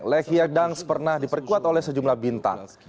lechia dans pernah diperkuat oleh sejumlah bintang